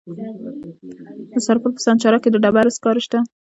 د سرپل په سانچارک کې د ډبرو سکاره شته.